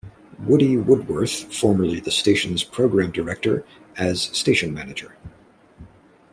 "Woody" Woodworth, formerly the station's program director, as station manager.